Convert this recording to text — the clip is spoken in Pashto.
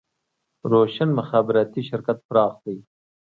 روشن مخابراتي شرکت پراخ دی